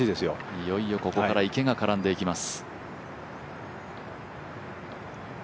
いよいよここから池が絡んでいきます。